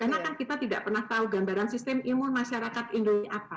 karena kan kita tidak pernah tahu gambaran sistem imun masyarakat indonesia apa